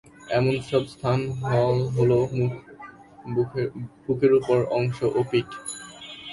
এমন সব স্থান হল-মুখ, বুকের উপর অংশ ও পিঠ।